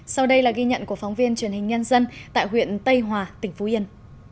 sau đây là ghi nhận của phóng viên truyền hình nhân dân tại huyện tây hòa tỉnh phú yên